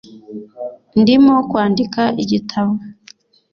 ndimo kwandika igitabo